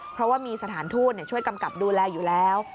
เพราะว่ามีสถานทูตช่วยกำกับดูแลอยู่แล้ว